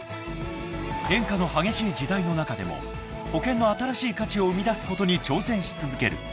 ［変化の激しい時代の中でも保険の新しい価値を生み出すことに挑戦し続ける］